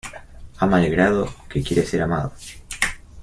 Ama al grado que quieras ser amado.